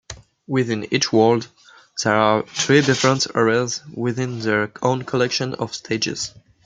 Within each world, there are three different areas with their own collection of stages.